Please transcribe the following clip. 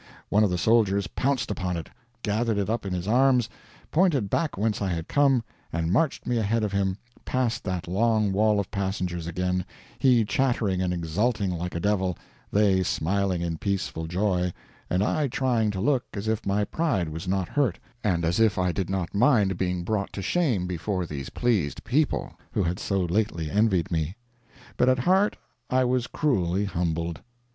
One of the soldiers pounced upon it, gathered it up in his arms, pointed back whence I had come, and marched me ahead of him past that long wall of passengers again he chattering and exulting like a devil, they smiling in peaceful joy, and I trying to look as if my pride was not hurt, and as if I did not mind being brought to shame before these pleased people who had so lately envied me. But at heart I was cruelly humbled.